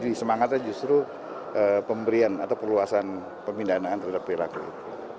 jadi semangatnya justru pemberian atau perluasan pemindahan terhadap rakyat